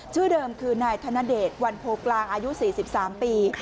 ชื่อเดิมคือนายธนเดชวันโพกลางอายุ๔๓ปี